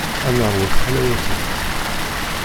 Ad neṛwu tiḥlawatin.